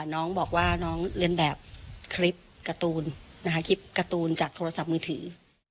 น้องบอกว่าน้องเรียนแบบคลิปการ์ตูนนะคะคลิปการ์ตูนจากโทรศัพท์มือถือ